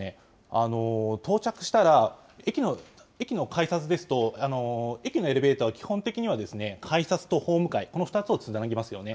到着したら、駅の改札ですと、駅のエレベーターは基本的には改札とホーム階、この２つをつなぎますよね。